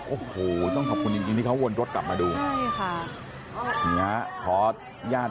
โอ้โฮต้องขอบคุณจริงเลยครับ